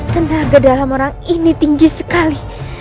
tenaga dalam orang ini tinggi sekali